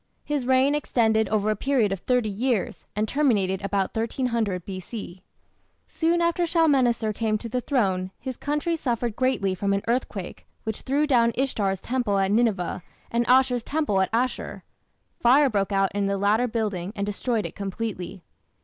His reign extended over a period of thirty years and terminated about 1300 B.C. Soon after Shalmaneser came to the throne his country suffered greatly from an earthquake, which threw down Ishtar's temple at Nineveh and Ashur's temple at Asshur. Fire broke out in the latter building and destroyed it completely.